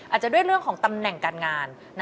อาจจะด้วยเรื่องของตำแหน่งการงาน